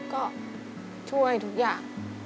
ก็ช่วยทุกอย่าง